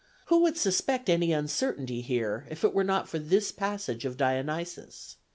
Who would suspect any uncertainty here if it were not for this passage of Dionysius?